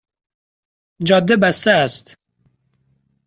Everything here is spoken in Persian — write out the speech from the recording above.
جاده بسته است